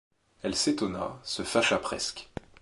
Elle s’étonna, se fâcha presque.